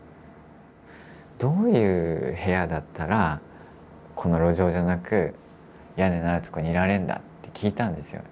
どういう部屋だったらこの路上じゃなく屋根のあるとこにいられるんだって聞いたんですよ。